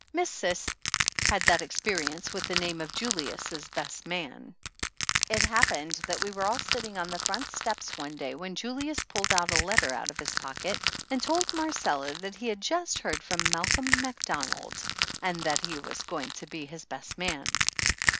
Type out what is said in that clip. Miss Cis had that experience with the name of Julius' best man. It happened that we were all sitting on the front step one day when Julius pulled a letter out of his pocket and told Marcella that he had just heard from Malcolm Macdonald, and that he was going to be his best man.